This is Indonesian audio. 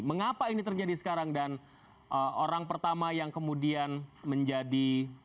mengapa ini terjadi sekarang dan orang pertama yang kemudian menjadi